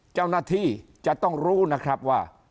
เจ้าหน้าที่จะต้องรู้นะครับว่า